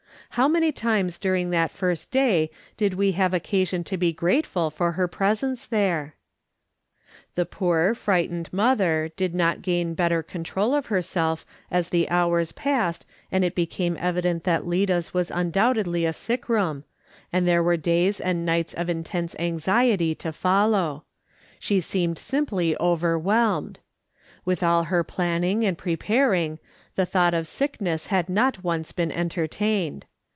How many times during that first day did we have occasion to be grateful for her presence there ! The poor, frightened mother did not gain better control of herself as the hours passed, and it became evident that Lida's wa.? undoubtedly a sick room, and there were days and nights of intense anxiety to follow ; she seemed simply overwhelmed. With all I "/ HAVE TO STAY OUTSIDE AND WAIT." 163 her planning and preparing, the thought of sickness had not once been entertained.